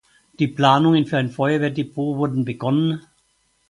Die Planungen für ein Feuerwehr-Depot wurden begonnen.